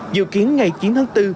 dự kiến ngày chín tháng bốn